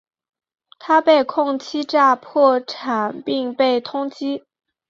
他被控欺诈破产并被通缉。